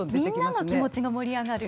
みんなの気持ちが盛り上がる。